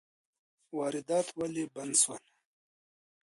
واردات ولي بند سول؟